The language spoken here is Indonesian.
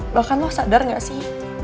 lo kan lo sadar gak sih